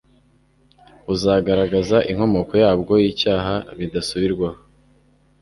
buzagaragaza inkomoko yabwo y'icyaha bidasubirwaho